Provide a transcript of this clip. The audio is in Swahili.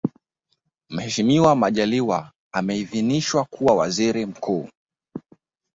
Mheshimiwa Majaliwa ameidhiniswa kuwa Waziri Mkuu